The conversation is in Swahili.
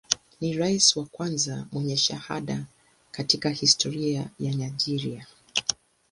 Ni rais wa kwanza mwenye shahada katika historia ya Nigeria.